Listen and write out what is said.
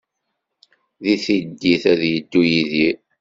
D tiddit ad yeddu Yidir?